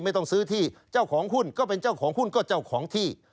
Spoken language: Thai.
ไม่ต้องซื้อที่เจ้าของหุ้นก็เป็นเจ้าของหุ้นก็เจ้าของที่